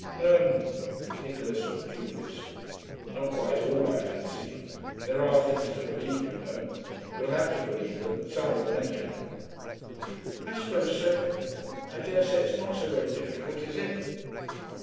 'H'm.' Nicholas looked dubious. 'Not quite all, I fancy. There are things to believe, you know. You'll have to believe them some of them, anyhow.' 'I suppose so. I dare say it's not so very difficult, is it?'